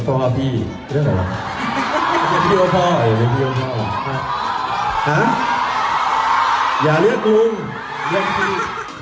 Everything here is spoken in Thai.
โปรดติดตามตอนต่อไป